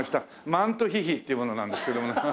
マントヒヒっていう者なんですけどもね。